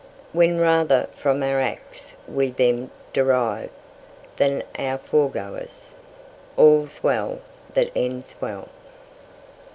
"When rather from our acts we them derive Than our fore goers." All's Well that Ends Well.